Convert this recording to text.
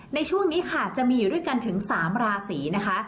ในช่วงนี้ค่ะจะมีอยู่ด้วยกันถึง๓ราศีนะคะ